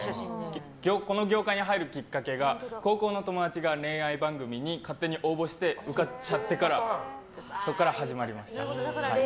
この業界に入るきっかけが高校の友達が恋愛番組に勝手に応募して受かっちゃってから始まりました。